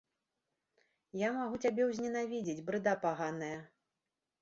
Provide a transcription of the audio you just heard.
Я магу цябе ўзненавідзець, брыда паганая!